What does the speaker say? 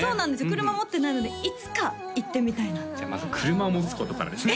車持ってないのでいつか行ってみたいなじゃあまず車を持つことからですね